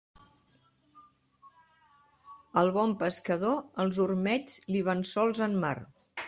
Al bon pescador, els ormeigs li van sols en mar.